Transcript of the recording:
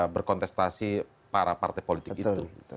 berkontestasi para partai politik itu